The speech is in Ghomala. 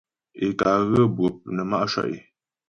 Ě ká ghə́ bwɔp nə má' shwá' é.